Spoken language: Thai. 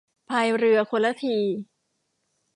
พายเรือคนละที